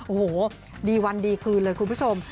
โอ้โหดีวันดีคืนเลยคุณผู้ชม